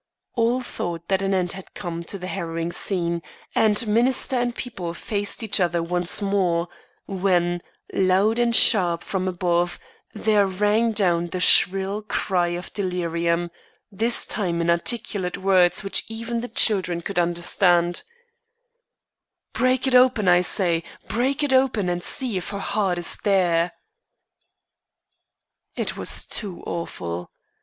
All thought that an end had come to the harrowing scene, and minister and people faced each other once more; when, loud and sharp from above, there rang down the shrill cry of delirium, this time in articulate words which even the children could understand: "Break it open, I say! break it open, and see if her heart is there!" It was too awful.